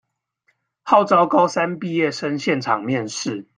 號召高三畢業生現場面試